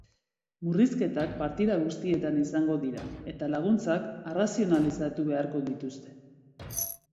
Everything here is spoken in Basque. Murrizketak partida guztietan izango dira, eta laguntzak arrazionalizatu beharko dituzte.